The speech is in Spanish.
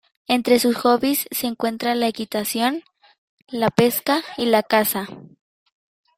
Entre sus hobbies se encuentran la equitación, la pesca y la caza.